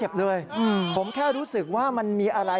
ขอบคุณพี่ไทยที่ขอบคุณพี่ไทย